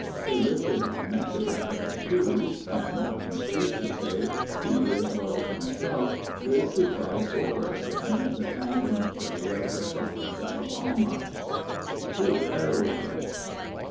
They lifted my Mexican friend, too, and I am pleased to say he, as well as myself, live to fight over again the sanguine fray of Resaca de la Palma." TRUE HEROISM.